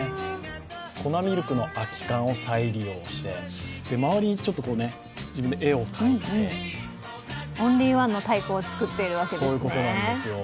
粉ミルクの空き缶を再利用して、周りにちょっと自分で絵を描いて、オンリーワンの太鼓を作っているわけなんですね。